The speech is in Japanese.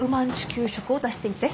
給食を出していて。